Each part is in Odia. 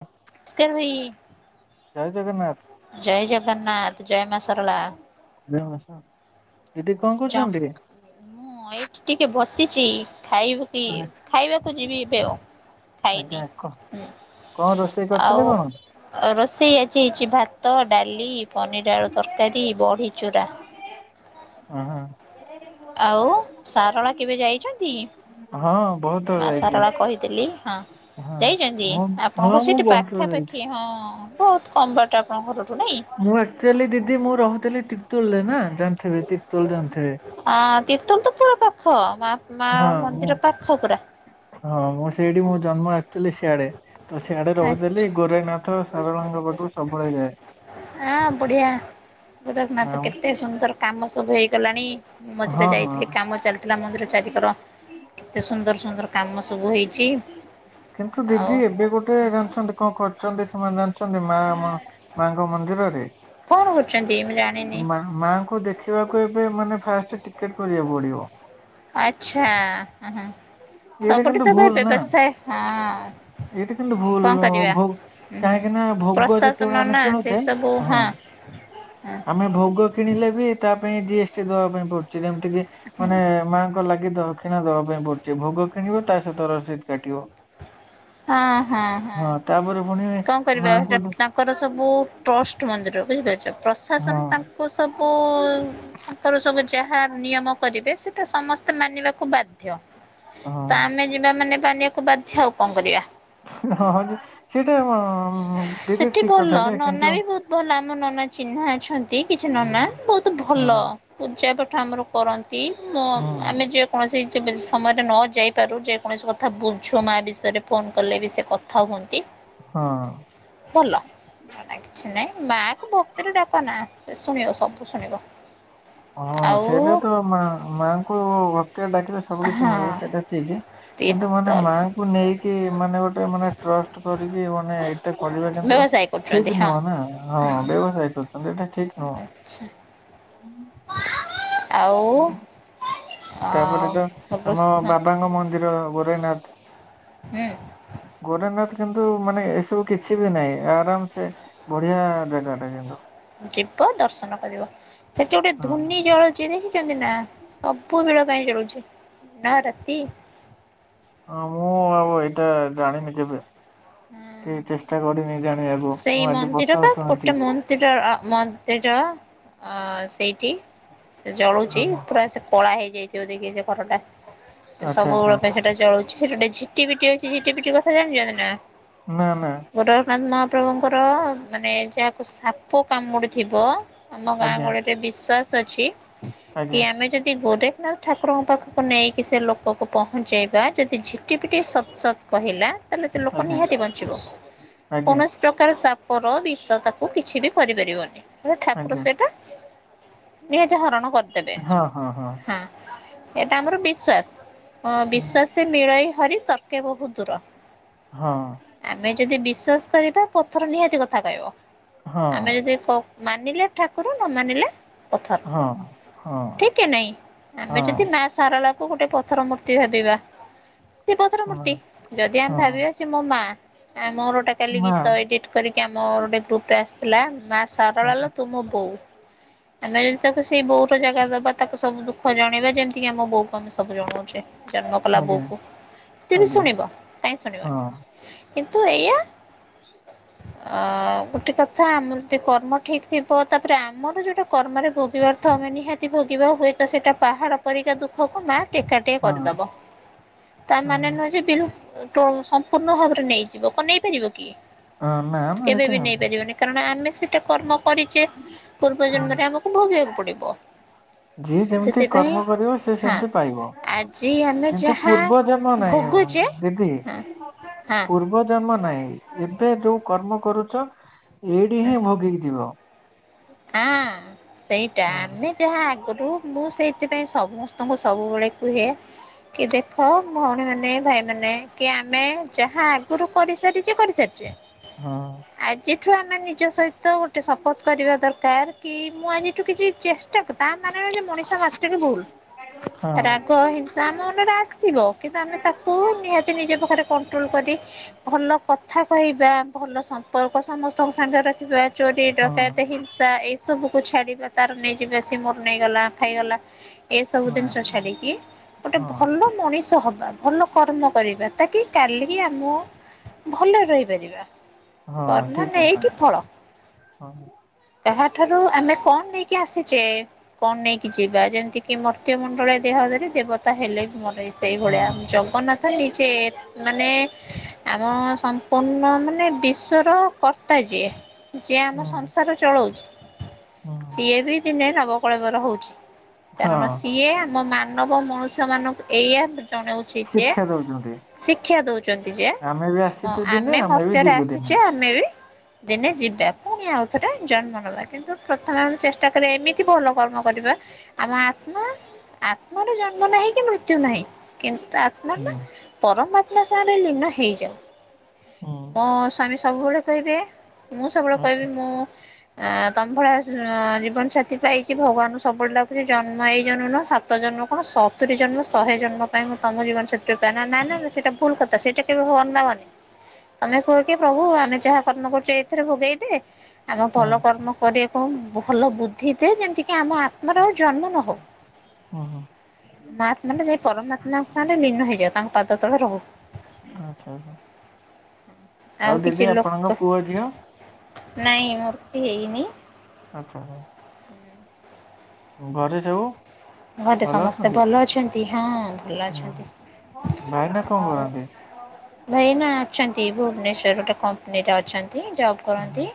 ହ ସେଲଭି-ଇ ଜୟ ଜଗନ୍ନାଥ। ଜୟ ଜଗନ୍ନାଥ, ଜୟ ମା ସରଳା। ଦି ହସ ଦିଦି କଁ ଜ କରୁଚନ୍ତି? ମୁଁ ଏଇଠି ଟିକେ ବସିଚି ଖାଇବୁ କି ଖାଇବାକୁ ଯିବି ଏବେ ଆଉ। ଖାଇନି ଆଜ୍ଞା କ ହୁଁ କଣ ରୋଷେଇ କରିଥିଲେ ଆଉ କଣ ରୋଷେଇ ଆଜି ହେଇଛି ଭାତ, ଡାଲି, ପନିର ଆଳୁ ତର୍କାରୀ, ବଢି ଚୂୁରା। ହଁ-ଅ। ଆଉ ସାରଳା କେବେ ଯାଇଛନ୍ତି? ହଁ ବହୁତ ଥର ମା ଯାଇଛି। ସାରଳା କହିଥିଲି ହଁ। ହଁ ଯାଇଚନ୍ତି, ମୁଁ ହଁ ଆପଣଙ୍କ ମୁଁ ସେଇଠି ବହୁତ ଥର ଯାଇଛି। ପାଖାପାଖି ହଁ। ବୋହୁତ କମ୍ ବାଟ ଆପଣଙ୍କ ଘରଠୁ, ନାଇଁ? ମୁଁ ଆକ୍ଚୁଆଲି ଦିଦି ମୁଁ ରହୁଥିଲି ତିର୍ତୁଲ ରେ ନା ଜାଣିଥିବେ ତିର୍ତୁଲ ଜାଣିଥିବେ। ହଁ ତୀର୍ତୋଲ ତ ପୁରା ପାଖ ମା ମା ହଁ ମୁଁ ମନ୍ଦିର ପାଖ ପୁରା। ହଁ ମୁଁ ସେଇଠି ମୋ ଜନ୍ମ ଆକ୍ଚୁଆଲି ସିଆଡେ ତ ସିଆଡେ ଆଚ୍ଛା ରହୁଥିଲି ଗୋରେନାଥ, ସାରଳାଙ୍ଗ ପାଖୁ ସବୁବେଳେ ଯାଏ। ଆଁ ବଢିଆ ଗୋରେଖନାଥ ଆଉ- କେତେ ସୁନ୍ଦର। କାମ ସବୁ ହେଇଗଲାଣି ମଝିରେ ହଁ ହଁ ଯାଇଥିଲି। କାମ ଚାଲିଥିଲା ମନ୍ଦିର ଚାରିକର କେତେ ସୁନ୍ଦର ସୁନ୍ଦର। କାମ ସବୁ ହେଇଛି କିନ୍ତୁ ଆଉ ଦିଦି ଏବେ ଗୋଟେ ଜାଣିଛନ୍ତି କଁ କରିଛନ୍ତି ସେମାନେ ଜାଣିଛନ୍ତି ମା ମା ମାଙ୍କ ମନ୍ଦିରରେ କଣ କରୁଛନ୍ତି ମୁଁ ଜାଣିନି ମା ମାଙ୍କୁ ଦେଖିବାକୁ ଏବେ ମାନେ ଫାଷ୍ଟ ଟିକେଟ କରିଆ ପଡିବ। ଆଚ୍ଛା ହଁ ଏଇଟା ସବୁଠି କିନ୍ତୁ ତ ଭୁଲ ଭାଇ ନା ବ୍ୟବସ୍ଥା ହଁ ଏଇଟା କିନ୍ତୁ କଣ ଭୁଲ-ଉ କରିବା ଭୋଉ ହୁଁ ହୁଁ କାହିଁକି ନା ଭୋଗ ପ୍ରଶାସନ ଯେତେବେଳେ ଆମେ ନା ସେ କିଣୁଛେ ସବୁ ହଁ ହଁ ଆମେ ଭୋଗ କିଣିଲେ ବି ତା ପାଇଁ ଜି ଏସ୍ ଟି ଦବା ପାଇଁ ପଡୁଛି ଯେମିତି କି ମାନେ ମାଙ୍କ ଲାଗ୍ ଦି ଦହକ୍ଷିଣା ଦେବା ପାଇଁ ପଡୁଛି, ଭୋଗ କିଣିବ ତା ସହିତ ରସିଦ କାଟିବ। ହଁ ହଁ ହଁ ତାପରେ ପୁଣି କଁ କରିବା ମାଙ୍କୁ ସେଟା ଦେ- ତା ଙ୍କର ସବୁ ଟ୍ରଷ୍ଟ ମନ୍ଦିର ବୁଝିପାରୁଚ? ହଁ ପ୍ରଶାସନ ତାଙ୍କୁ ସବୁ-ଉ ତାଙ୍କର ସବୁ ଯାହା ନିୟମ କରିବେ ସେ ଟେ ସମସ୍ତେ ମାନିବାକୁ ବାଧ୍ୟ ହଁ। ତ ଆମେ ଯିବା ମାନେ ମାନିବାକୁ ବାଧ୍ୟ ଆଉ କଁ କରିବା। ହଁ ନି ସେଇଟା-ଆ ସେଠି ଭଲ ନନା ବି ବୋହୁତ ଭଲ ଆମ ନନା ଚିହ୍ନା ଅଛନ୍ତି କିଛି ନନା ବୋହୁତ ହଁ ଭଲ। ପୂଜା ପାଠ ଆମର କରନ୍ତି ମୋ ହଁ ଆମେ ଯେ କୌଣସି ଯେବେ ସମୟରେ ନ ଯାଇପାରୁ ଯେକୌଣସି କଥା ବୁଝୁ ମା ବିଷୟରେ ଫୋନ୍ କଲେ ବି ସେ କଥା ହୁଅନ୍ତି। ହଁ। ଭଲ। ନନେ କିଛି ନାଇଁ ମା କୁ ଭକ୍ତିରେ ଡାକ ନା ସେ ଶୁଣିବ ସବୁ ଶୁଣିବ। ହଁ ଆଉ ସେଇଟା ତ ମା ମାଆଙ୍କୁ ଭକ୍ତି ରେ ଡାକିଲେ ସବୁ କିଛି ହଁ ମିଳିବ ସେଇଟା ଠିକ କିନ୍ତୁ ମାନେ ତିର୍ତଲ ମାଙ୍କୁ ନେଇକି ମାନେ ଗୋଟେ ମାନେ ଟ୍ରଷ୍ଟ କରିକି ମାନେ ତେ କରିବା କିନ୍ତୁ ବ୍ୟବସାୟ କରୁଛନ୍ତି ଠିକ ହଁ। ନୁହଁ ନା ହଁ ବ୍ୟବସାୟ କରୁଛନ୍ତି, ଏଇଟା ଠିକ ନୁହଁ। ଆଚ୍ଛା ହୁଁ। ଆଉ ଅ ତାପରେ ତ ରୋଷ ଆମ ବାବାଙ୍କ ମନ୍ଦିର ଗୋରଖନାଥ ହେଁ। ଗୋରେଖନାଥ କିନ୍ତୁ ମାନେ ଏସବୁ କିଛି ବି ନାହିଁ, ଆରାମ ସେ ବଢିଆ ଜାଗା ଟା କିନ୍ତୁ। ଯିବ ଦର୍ଶନ କରିବ। ସେଠି ଗୋଟେ ହଁ। ଧୂନି ଜଳେ ଜଳେ ଦେଖିଛନ୍ତି ନା? ସବୁବେଳ ପାଇଁ ଜଳୁଛି। ଦିନ, ରାତି, ହଁ, ମୁଁ ଆଉ ଏଇଟା ଜାଣିନି କେବେ। କି ଚେଷ୍ଟା କରିନି ଜାଣିବାକୁ। ମୁଁ ଆଜି ପ୍ରଥମେ ଶୁଣୁଚି। ସେଇଟା ଅ ମ ସେଇଟା ସେଇଠି ସେ ଜଳୁଚି। ଓହୋ। ପୁରା ସେ କଳା ହେଇଯାଇଥିବ ଦେଖିବେ ସେ ଘର ଟା। ଆଚ୍ଛା ଆଚ୍ଛା ସବୁବେଳେ ପାଇଁ ସେ ଜଳୁଛି ସେଠି, ଗୋଟେ ଝିଟି ପିଟି ଅଛି। ଝିଟି ପିଟି କଥା ଜାଣିଛନ୍ତି ନା? ନାଁ -ନାଁ। ଗୋରଖନାଥ ମହାପ୍ରଭୁଙ୍କର ମାନେ ଯାହାକୁ ସାପ କାମୁଡିଥିବ ଆମ ଗାଁ ଆଜ୍ଞା ଗହଳିରେ ବିଶ୍ଵାସ ଅଛି, କି ଆଜ୍ଞା ଆମେ ଯଦି ଗୋରେ ନାଥ ଠାକୁରଙ୍କ ପାଖକୁ ନେଇକି ସେ ଲୋକକୁ ପହଞ୍ଚେଇବା ଯଦି ଝିଟି ପିଟି ସତ୍ ସତ୍ କହିଲା ତାହେଲେ ସେ ଲୋ ଲୋକ ଆଜ୍ଞା ନିହାତି ବଞ୍ଚିବ। ଆଜ୍ଞା କୌଣସି ପ୍ରକାର ସାପର ବିଷ ତାକୁ କିଛି ବି କରିପାରିବନି। ହେଟା ଠାକୁର ଆଜ୍ଞା। ସେଟା ନିହାତି ହରଣ କରିଦେବେ। ହଁ ହଁ ହଁ, ଏଟା ଆମର ବିଶ୍ଵାସ। ହଁ, ବିଶ୍ୱାସ ମିଳଇ ହରି ତର୍କେ ବହୁତ ଦୂର। ହଁ। ଆମେ ଯଦି ବିଶ୍ୱାସ କରିବା ପଥର ନିହାତି କଥା କହିବ। ହଁ ଆମେ ଯଦି କ ମାନିଲେ ଠାକୁର ନ ମାନିଲେ ପଥର। ହଁ ଠିକ୍ କି ନାଇଁ? ଆମେ ଯଦି ହଁ। ମା ଶାରଳା କୁ ଗୋଟେ ପଥର ମୂର୍ତ୍ତି ଭାବିବା, ସେ ପଥର ହଁ ହଁ ମୂର୍ତ୍ତି। ଯଦି ମା ଆମେ ହଁ ଭାବିବା ସେ ସେ ମୋ ମା। ମୋର ଗୋଟେ କାଲି ମା ଗୀତ ଏଡିଟ କରିକି ଆମର ଗୋଟେ ଗ୍ରୁପ ରେ ଆସିଥିଲା। ମା ସା ଶାରଳା ଲୋ ଆଜ୍ଞା ତୁ ମୋ ବୋଉ। ଆମେ ଯଦି ତାକୁ ସେଇ ବୋଉ ଛୋଟ ଜାଗା ଦବା ତାକୁ ସବୁ ଦୁଃଖ ଜଣେଇବା, ଯେମିତିକି ଆମ ବୋଉକୁ ଆମେ ସବୁ ଜଣଉଚେ ଜନ୍ମ କଲା ଆଜ୍ଞା ବୋଉକୁ। ସିଏ ବି ଆଜ୍ଞା, ଶୁଣିବ, କାହିଁକି ହଁ ଶୁଣିବନି। କିନ୍ତୁ ଏଇଆ ଅ ଗୋଟେ କଥା ଆମର ଯଦି କର୍ମ ଠିକ୍ ଥିବ, ତାପରେ ଆମର ଯୋଉଟା କର୍ମରେ ଭୋଗିବାର ଥିବ ଆମେ ନିହାତି ତି ଭୋଗିବ। ହୁଏ ତ ସେଇଟା ପାହାଡ଼ ପରିକା ଦୁଃଖକୁ ମା ଟେକା ଟିଏ ହଁ କରିଦବ। ତା ମାନେ ହଁ। ନୁହେଁ ଯେ ବିଲୁ କୁ ସଂମ୍ପୁ ପୂର୍ଣ୍ଣ ଭାବରେ ନେଇଯିବ, କଣ ନେଇପାରିବ କି? ହଁ ନା ନା କେବେ ଏଠି ବି ନା। ନେଇପାରିବନି। କାରଣ ଆମେ ସେଇଟା କର୍ମ କରିଚେ ପୂର୍ବ ହୁଁ। ଜନ୍ମରେ ଆମକୁ ଭୋଗିବାକୁ ପଡିବ। ଯିଏ ଯେମିତି ସେଥିପାଇଁ କର୍ମ କରିବ ସିଏ ହଁ ସେମିତି ପାଇବ। ଆଜି ଆମେ କିନ୍ତୁ ଯାହା ପୂର୍ବ ଜନ୍ମ ନାଇଁ। ଭୋଗୁଛେ ଦିଦି ହଁ ହଁ ପୂର୍ବ ଜନ୍ମ ନାଇଁ ଏବେ ଯୋଉ କର୍ମ କରୁଚ, ଏଇଠି ହିଁ ଭୋଗିକି ଯିବ। ହଁ, ସେଇଟା। ହଁ ଆମେ ଯାହା ଆଗେ ମୁଁ ସେଇଥିପାଇଁ ସମସ୍ତଙ୍କୁ ସବୁବେଳେ କୁହେ କି ଦେଖ ଭଉଣୀ ମାନେ ଭାଇ ମାନେ କି ଆମେ ଯାହା ଆଗରୁ କରିସାରିଚେ କରିସାରିଚେ ହଁ ଆଜିଠୁ ଆମେ ନିଜ ସହିତ ଗୋଟେ ଶପଥ କରିବା ଦରକା ତାର କି, ମୁଁ ଆଜିଠୁ କିଛି ଚେଷ୍ଟା କରି ତା ମାନେ ନୁହେଁ ଯେ ମଣିଷ ମାତ୍ରେକେ ଭୁଲ। ହଁ ରାଗ, ହିଂସ ତା ମନରେ ଆସିବ କିନ୍ତୁ ଆମେ ତାକୁ ନିହାତି ନିଜ ପାଖରେ କଣ୍ଟ୍ରୋଲ୍ କରି ଭଲ କଥା କହିବା ଭଲ ସମ୍ପର୍କ ସମସ୍ତଙ୍କ ସାଙ୍ଗରେ ରଖିବା। ଚୋରି ହଁ ଡକାୟତ ହିଂସା ଏଇ ସବୁ କୁ ଛାଡିବା ତାର ନେଇଯିବା ସେ ମୋର ନେଇଗଲା ଖାଇଗଲା ଏସବୁ ନା ଜିନିଷ ଛାଡିକି ଗୋଟେ ହଁ ଭଲ ମଣିଷ ହବା, ଭଲ କର୍ମ କରିବା ତାକି କାଲି ବି ଆମ ଭଲରେ ରହିପାରିବା। କର୍ମ ଠିକ କଥା ନେଇକି ଫଳ। ହଁ ହଁ। କାହାଠାରୁ ଆମେ କଣ ନେଇକି ଆସିଛେ କଣ ନେଇକି ଯିବା ଯେମତିକି କି ମର୍ତ୍ତ୍ୟ ମଣ୍ଡଳେ ଦେହ ଧରି ଦେବତା ହେଲେ ବି ମରଇ ସେଇଭଳିଆ। ହଁ ଜଗନ୍ନାଥ ନିଜେ ମାନେ ଆମ ସମ୍ପୂର୍ଣ୍ଣ ମାନେ ବିଶ୍ଵର କର୍ତ୍ତା ଯିଏ ଯିଏ ଆମ ହଁ ସଂସାର ଚଳଉଛି ହଁ। ସେ ବି ଦିନେ ନବକଳେବ ର ହଉଛି କାରଣ ହଁ ସିଏ ଆମ ମା ମାାନବ ମନଣୁଷ୍ୟ ମାନଙ୍କୁ ଏଇଆ ଜଣଉ ଶିକ୍ଷା ଦଉଛନ୍ତି। ଶିକ୍ଷା ଦଉଛନ୍ତି ଯେ ଆମେ ବି ଆମ ଆସିଛୁ ଦିନେ ଆମେ ବି ମର୍ତ୍ତ୍ୟରେ ଯିବୁ ଦିନେ। ଆସିଛେ ଆମେ ବି ଦିନେ ଯିବା ପୁଣି ଆଉ ଥରେ ଜନ୍ମ ନବା କିନ୍ତୁ ପ୍ରଥମେ ଆମେ ଚେଷ୍ଟା କରିବା ଏମିତି ଭଲ କର୍ମ କରିବା ଆମ ଆତ୍ମା ଆତ୍ମାର ଜନ୍ମ ନାହିଁ କି ମୃତ୍ୟୁ ନାହିଁ କିନ୍ତୁ ଆତ୍ମାଟା ହୁଁ ପରମାତ୍ମା ସାଙ୍ଗରେ ଲୀନ ହେଇଯାଉ। ହୁଁ ମୋ ସ୍ଵାମୀ ସବୁବେଳେ କହିବେ ମୁଁ ସବୁବେଳେ ଆଚ୍ଛା କହିବି ମୁଁ ଆ ତମ ଭଳିଆ ଆ ଜୀବନ ସାଥି ପାଇଛି ଭଗବାନଙ୍କୁ ସବୁବେଳେ ଡାକୁଛି ଜନ୍ମ ଏଇ ଜନ୍ମ ନୁହଁ ସାତ ଜନ୍ମ କଣ ସତୁରୀ ଜନ୍ମ, ଶହେ ଜନ୍ମ ପାଇଁ ମୁଁ ତମ ଜୀବନସାଥି। [unintelligible] ନା ନା ସେଟା ଭୁଲ କଥା ସେଇଟା କେବେ ଭଗବାନଙ୍କୁ ମାଗନି। ତମେ କୁହ କି ପ୍ରଭୁ ଆମେ ଯାହା କର୍ମ କରୁଛେ ଏଇଥିରେ ଭୋଗେଇଦେ ଆମ ହଁ ଭଲ କର୍ମ ପରେ କମ ଭଲ ବୁଦ୍ଧି ଦେ ଯେମିତିକି ଆମ ଆତ୍ମାର ଆଉ ଜନ୍ମ ନହଉ। ହଁ ହଁ। ମୋ ଆତ୍ମାଟା ଯାଇ ପରମାତ୍ମାଙ୍କ ସାଙ୍ଗରେ ଲୀନ ହେଇଯାଉ ତାଙ୍କ ପାଦ ତଳେ ରହୁ। ଆଛା ହଉ। ଆଉ କିଛି ଦିଦି ଲୋକ ଆପଣଙ୍କ ପୁଅ ଝିଅ? ନାଇଁ ମୋର କିଛି ହେଇନି। ଆଚ୍ଛା ହଁ। ଘରେ ସବୁ? ଘରେ ଭଲ ସମସ୍ତେ ଅଛନ୍ତି? ଭଲ ଅଛନ୍ତି ହଁ ଭଲ ହୁଁ ଅଛନ୍ତି। ଭାଇନା କଣ ଆଉ କରନ୍ତି? ଭାଇ ନା ଅଛନ୍ତି ଭୁବନେଶ୍ୱର ଗୋଟେ କମ୍ପାନୀରେ ଅଛନ୍ତି ଜବ୍ କରନ୍ତି।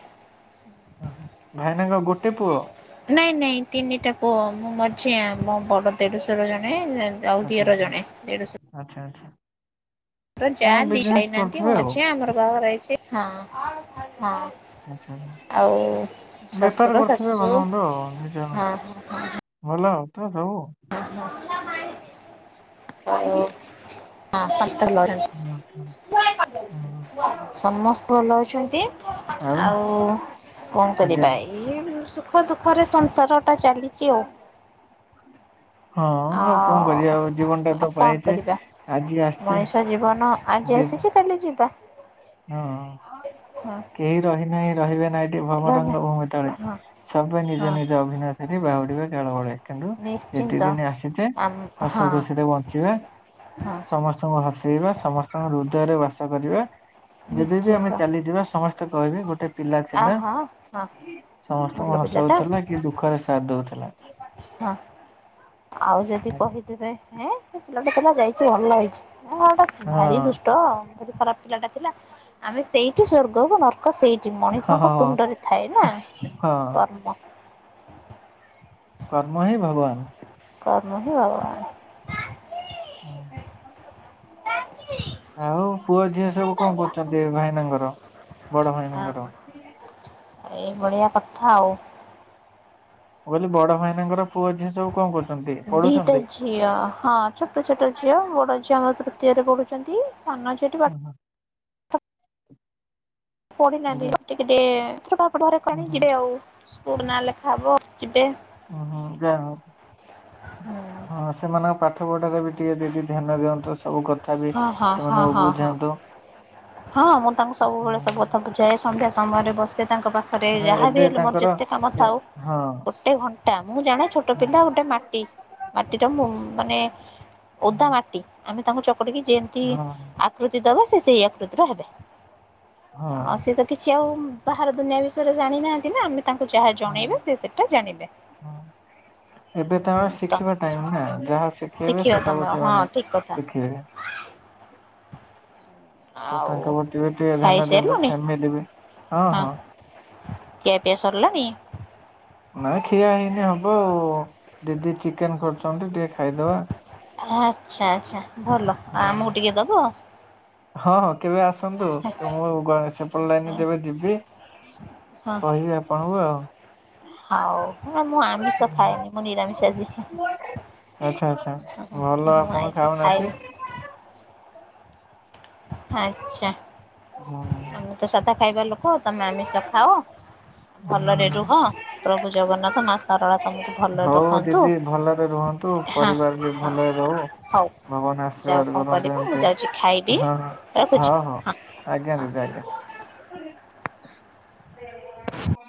ଓହୋ ଭାଇନାଙ୍କ ଗୋଟେ ପୁଅ? ନାଇଁ ନାଇଁ ତିନିଟା ପୁଅ ମୁଁ ମଝିଆ ମୋ ବଡ଼ ଦେଢଶୁର ଜଣେ ଆଉ ଆଚ୍ଛା ଦିଅର ଜଣେ ଦେଢଶହ ଆଚ୍ଛା ଆଚ୍ଛା। ଆର ହଁ ଯାହା ବିଜନେସ୍ ଦିଶାଇନାହାନ୍ତି ମୁଁ କରୁଥିବେ ଆଉ ମଝିଆ ଆମର ବାହା ଘର ହେଇଛି ହଁ ହଁ। ଆଚ୍ଛା ଆଚ୍ଛା। ଆଉ ବେପାର ଶଶୁର କରୁଥିବେ ଭଲ ଶାଶୁ ମନ୍ଦ ଆଉ ନିଜ ହଁ ହଁ ହ ଭଲ ତ ସବୁ। [unintelligible] [unintelligible] ସମସ୍ତେ ଆଚ୍ଛା ହଁ ଭଲ ଅଛନ୍ତି। ଆଉ କଣ ଆଜ୍ଞା କରିବା ଏଇ ସୁଖ ଦୁଃଖରେ ସଂସାର। [unintelligible] ଚାଲିଛି ଆଉ। ହଁ ଆଉ କଣ କରିବା ଜୀବନ ଟା ଆଉ ତ କଣ ପାଇଛେ କରିବା ଆଜି ଆସିଛେ ମଣିଷ ଜୀବନ ଆଜି ଆସିଛି କାଲି ଯିବା। ହୁଁ ହଁ କେହି ରହିନାହିଁ ରହିବେ ନାଇଁ ଏ ରହିଲା। ଭବରଙ୍ଗ ଭୂମିି ତଳେ ହଁ ସର୍ବେ ନିଜ ହଁ ନିଜ ଅଭିନୟ ବାହୁଡିବା କାଳ ବଳେ। କିନ୍ତୁ ଯେତି ନିଶ୍ଚିନ୍ତ ଦିନି ଆସିଚେ ଆମ୍ ହସ ହଁ ଖୁସିରେ ବଞ୍ଚିବା ହଁ ସମସ୍ ସବୁ ହସେଇବା ସମସ୍ତଙ୍କ ହୃଦୟରେ ବାସ କରିବା। ଯେବେ ବିି ଆମେ ନିଶ୍ଚିନ୍ତ ଚାଲିଯିବା ସମସ୍ତେ କହିବେ ଗୋଟେ ପିଲା ଆ ଥିଲା ହା ହଁ ସମସ୍ତଙ୍କୁ ଭଲ ହସ ପିଲାଟା ହସଉଥୁଲା କି ଦୁଃଖରେ ସାଥ ଦଉଥୁଲା। ହଁ ଆଉ ଯଦି କହିଥିବେ ଏଁ ହେ ପିଲାଟେ ଥିଲା ଯାଇଚି ଆଉ ଅଲ ହେଇଚି। ହଁ ଏଟା ଭାରି ହଁ ଦୁଷ୍ଟ ଭାରି ଖରାପ ପିଲାଟା ଥିଲା ଆମେ ସେଇଠି ସ୍ଵର୍ଗକୁ ନର୍ କ ସେଇଠି ହଁ ମଣିଷଙ୍କ ହଁ ତୁଣ୍ଡରେ ଥାଏ ନା ହଁ କର୍ମ କର୍ମ ହିଁ ଭଗବାନ। କର୍ମ ହିଁ ଭଗବାନ। ହଁ। [inaudible] ଆଉ ପୁଅ ଝିଅ ସବୁ କଁ କରୁଚନ୍ତି ଏ ଭାଇନାଙ୍କର ବଡ଼ ଭାଇନାଙ୍କର? ଏଇ ବଳିଆ କଥା ଆଉ। ମୁଁ କହିଲି ବଡ଼ ଭାଇନାଙ୍କର ପୁଅ ଝିଅ ସବୁ କଁ କରୁଚନ୍ତି, ଦିଟା ପଢ଼ୁଛନ୍ତି? ଝିଅ ହଁ ଛୋଟ ଛୋଟ ଝିଅ ବଡ଼ ଝିଅ ଆମ ତୃତୀୟରେ ପଢୁଛନ୍ତି ସାନ ଝିଅଟା ହଁ। ପଢ଼ି ନାହାନ୍ତି ଯା ଓ ଟିକିଟିଏ ଟିକେ ଏଥର ପା ପଢ଼ାରେ କଣି ଓହୋ ଯିବେ ଆଉ ସ୍କୁଲ ନାଁ ଲେଖା ହବ ଯିବେ। ହୁଁ ହୁଁ ଯେ ହଁ ସେମାନଙ୍କ ପାଠ ପଢ଼ାରେ ବି ଟିକେ ଦିଦି ଧ୍ୟାନ ଦିଅନ୍ତୁ ସବୁ କଥା ବି ହଁ ହଁ ହଁ ସେମାନଙ୍କୁ ହଁ ହଁ ବୁଝାନ୍ତୁ। ହଁ ମୁଁ ତାଙ୍କୁ ସବୁ ବେଳେ ସବୁ କଥା ବୁଝାଏ ସନ୍ଧ୍ୟା ସମୟରେ ବସ୍ ସେ ତାଙ୍କ ପାଖରେ ମାନେ ଯାହା ଏବେ ବି ହେଲେ ମୋର ତାଙ୍କର ଯେତେ କାମ ଏ ଥାଉ ହଁ। ଗୋଟେ ଘଣ୍ଟା ମୁଁ ଜାଣେ ଛୋଟ ହଁ ପିଲା ଗୋଟେ ମାଟି ମାଟିର ମୁ ମାନେ ଓଦା ମାଟି। ଆମେ ତାଙ୍କୁ ଚକଟିକି ଯେନ୍ତି ହଁ ଆକୃତି ଦବା ସେ ସେଇ ଆକୃତିର ହେବେ। ଅ ହଁ ସିଏ ତ କିଛି ଆଉ ବାହାର ଦୁନିଆ ବିଷୟରେ ଜାଣିନାହାନ୍ତି ନା ଆମେ ତାଙ୍କୁ ଯାହା ହଁ। ଜଣେଇବା ସିଏ ସେଟା ଜାଣିବେ। ହଁ ଏବେ ତାଅଁ ହୁଁ ଶିଖିବା ତମେ ଟାଇମ୍ ନା ଯାହା ଶିଖେଇବେ ଶିଖିବା ସେଇଟାକୁ ସମୟ ହଁ ସେମାନେ ଠିକ କଥା ଶିଖିବେ। ଆଉ ତାଙ୍କ ପତି ବି ଟିଏ ଧ୍ୟାନ ଦିଅନ୍ତୁ ଖାଇସାରିଲଣି ଫ୍ୟାମିଲି ବି ହଁ ହଁ। କିଆ ପିଆ ସରଲାଣିି? ନାଇଁ ଖିଆ ହେଇନି ହବ ଆଉ ଦିଦି ଚିକେନ କରୁଚନ୍ତି ଟିଏ ଆଚ୍ଛା ଆଚ୍ଛା ଭଲ ଆ ହଁ। ଆମୁକୁ ଟିକେ ଦବ? ହଁ ହଁ କେବେ ଆସନ୍ତୁ ଏ ମୁଁ ଗ ସେପଟ ଲାଇନ ଦେବେ ଦିବି ହଁ କହିବି ଆପଣଙ୍କୁ ଆଉ। ହଉ ନା ମୁଁ ଆମିଷ ଖାଏନି ମୁଁ ନିରାମିଷ ଆଜି। ଆଚ୍ଛା ଆଚ୍ଛା ଭଲ ମୁଁ ଆପଣ ଆଇଁଷ ଖାଉନାହାତି। ଖାଏନି ଆଚ୍ଛା। ହୁଁ। ଆମେ ତ ସାଧା ଖାଇବା ଲୋକ ତମେ ଆମିଷ ଖାଅ ଭଲରେ ରୁହ। ପ୍ରଭୁ ଜଗନ୍ନାଥ ମାସ୍ ହଉ ଦିଦି ଭଲରେ ରୁହନ୍ତୁ ହଁ ପରିବାର ବି ହଁ ଭଲରେ ରହୁ। ହଉ। ଭଗବାନ ଯାଉ ଆଶୀର୍ବାଦ କଣ କରନ୍ତୁ କରିବ ମୁଁ ଏମତି ଯାଉଛି ଖାଇଦିଏ ହଁ। ହଁ ହଁ ଆଜ୍ଞା ଦିଦି ଆଜ୍ଞା। ହ